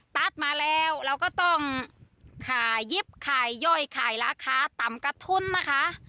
ตัดมาแล้วเราก็ต้องขายยิบขายย่อยขายราคาต่ำกระทุนนะคะ